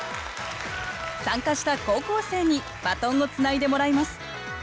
参加した高校生にバトンをつないでもらいます。